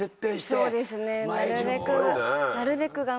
そうですねなるべく。